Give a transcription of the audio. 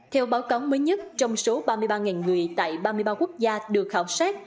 theo báo cáo mới nhất trong số ba mươi ba người tại ba mươi ba quốc gia được khảo sát